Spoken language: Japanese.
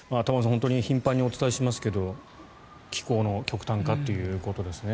本当に頻繁にお伝えしますが気候の極端化ということですね。